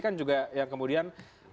kan juga yang kemudian